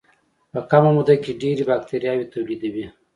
په کمه موده کې ډېرې باکتریاوې تولیدوي.